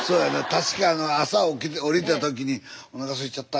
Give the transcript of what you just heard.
確か朝降りた時におなかすいちゃった